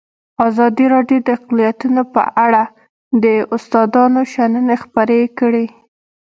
ازادي راډیو د اقلیتونه په اړه د استادانو شننې خپرې کړي.